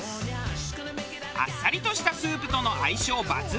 あっさりとしたスープとの相性抜群。